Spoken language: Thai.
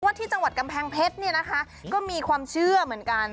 ว่าที่จังหวัดกำแพงเพชรก็มีความเชื่อเหมือนกัน